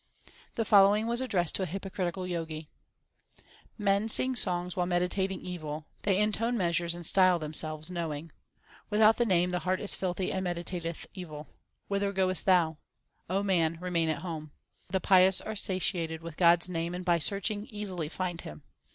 The following was addressed to a hypocritic; Jgi : Men sing songs while meditating evil ; They intone measures and style themselves knowing. Without the Name the heart is filthy and meditateth evil. Whither goest thou ? O man, remain at home. The pious are satiated with God s name, and by searching easily find Him.